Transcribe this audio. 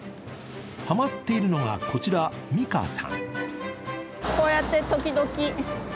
ハマっているのがこちら美香さん。